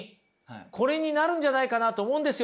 これになるんじゃないかなと思うんですよ